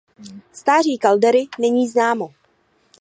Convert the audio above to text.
Stáří kaldery není známo.